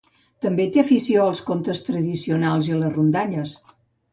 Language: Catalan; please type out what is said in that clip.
També té afició als contes tradicionals i les rondalles.